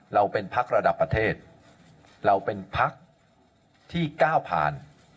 เราเป็นพักระดับประเทศเราเป็นพักที่ก้าวผ่าน